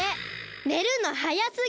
ねるのはやすぎ！